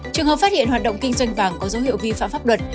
trường hợp phát hiện hoạt động kinh doanh vàng có dấu hiệu vi phạm pháp luật